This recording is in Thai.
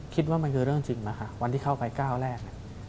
คิดว่ามันคือเรื่องจริงวันที่เข้าไปก้าวแรก